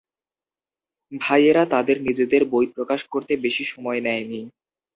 ভাইয়েরা তাদের নিজেদের বই প্রকাশ করতে বেশি সময় নেয়নি।